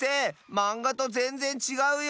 まんがとぜんぜんちがうよ！